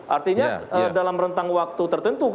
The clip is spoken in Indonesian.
artinya dalam rentang waktu tertentu